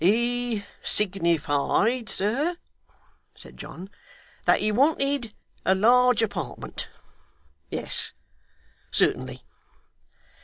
'He signified, sir,' said John, 'that he wanted a large apartment. Yes. Certainly.